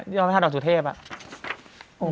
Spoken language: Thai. ยอดพระธาตุรสุทธิพย์